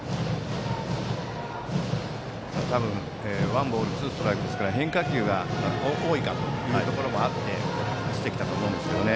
ワンボールツーストライクですから変化球が多いかというのもあり動かしてきたと思いますが。